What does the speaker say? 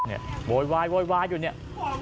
เนี่ยโว้ยอยู่เนี่ย